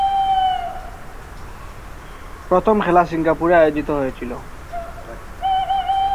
প্রথম খেলা সিঙ্গাপুরে আয়োজিত হয়েছিল।